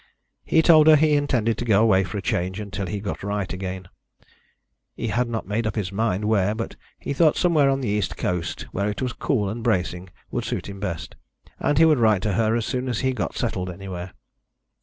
He told her he intended to go away for a change until he got right again he had not made up his mind where, but he thought somewhere on the East Coast, where it was cool and bracing, would suit him best and he would write to her as soon as he got settled anywhere.